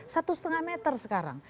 satu setengah meter sekarang